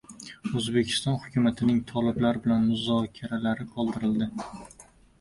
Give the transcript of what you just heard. O‘zbekiston hukumatining toliblar bilan muzokaralari qoldirildi